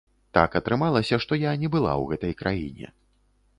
Так атрымалася, што я не была ў гэтай краіне.